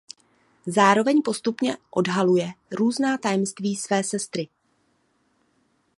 Zároveň postupně odhaluje různá tajemství své sestry.